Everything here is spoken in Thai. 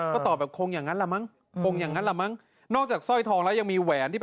ก็ตอบแบบคงอย่างนั้นแหละมั้ง